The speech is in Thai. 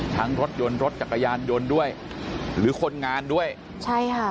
รถยนต์รถจักรยานยนต์ด้วยหรือคนงานด้วยใช่ค่ะ